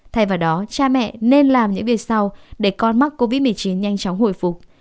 thay vào đó cha mẹ nên làm những việc sau để con mắc covid một mươi chín nhanh chóng hồi phục